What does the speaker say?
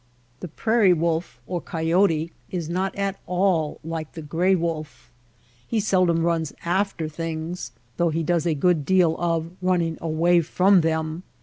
The prairie wolf or coyote is not at all like the gray wolf. He seldom runs after things, though he does a good deal of running away from them.